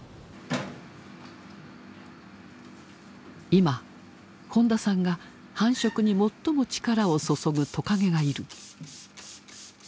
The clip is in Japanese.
今本田さんが繁殖に最も力を注ぐトカゲがいる。